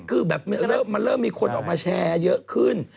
คือแบบมันเริ่มมีคนออกมาแชร์เยอะขึ้น